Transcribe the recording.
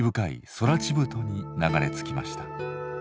空知太に流れ着きました。